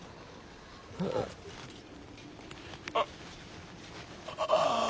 ああああ。